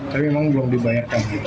tapi memang belum dibayarkan